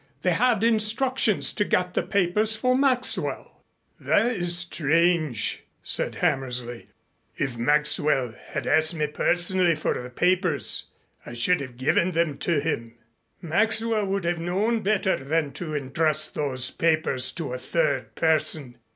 They had instructions to get the papers for Maxwell." "That is strange," said Hammersley. "If Maxwell had asked me personally for the papers, I should have given them to him. Maxwell would have known better than to intrust those papers to a third person.